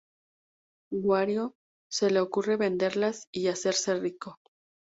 Wario se le ocurre venderlas y hacerse rico.